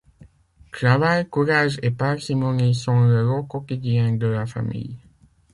Travail, courage et parcimonie sont le lot quotidien de la famille..